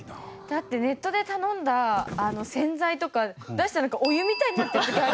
だってネットで頼んだ洗剤とか出したらお湯みたいになってる時あるじゃないですか。